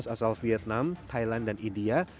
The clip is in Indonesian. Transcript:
asal vietnam thailand dan india